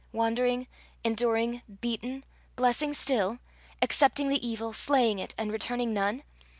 wandering, enduring, beaten, blessing still? accepting the evil, slaying it, and returning none?